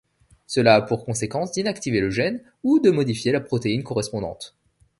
Cela a pour conséquence d'inactiver le gène ou de modifier la protéine correspondante.